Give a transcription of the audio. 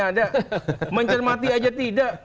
ada mencermati aja tidak